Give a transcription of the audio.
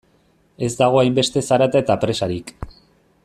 Ez dago hainbeste zarata eta presarik.